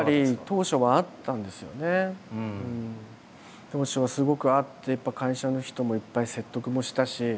当初はすごくあってやっぱ会社の人もいっぱい説得もしたし。